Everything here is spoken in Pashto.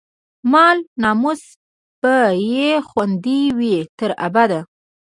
مال، ناموس به يې خوندي وي، تر ابده